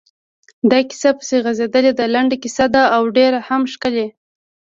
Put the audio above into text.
دا کیسه پسې غځېدلې ده، لنډه کیسه ده او ډېره هم ښکلې.